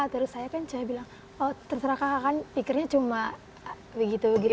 terus saya kan cuma bilang oh terserah kak kaniar pikirnya cuma begitu gitu